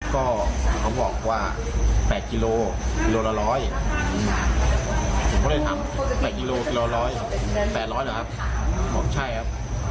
ก็เขาบอกว่า๘กิโลกิโลละ๑๐๐ผมก็เลยทำ๘กิโลกิโลร้อยครับ๘๐๐เหรอครับบอกใช่ครับ